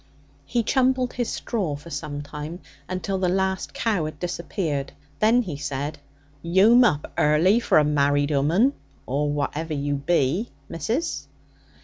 He chumbled his straw for some time, until the last cow had disappeared. Then he said: 'You'm up early for a married 'ooman, or whatever you be, missus.'